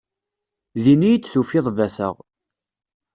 Din iyi-d tufiḍ bateɣ.